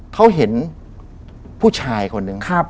เขาเห็นผู้ชายคนหนึ่ง